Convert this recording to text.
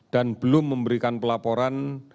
dan belum memberikan pelaporan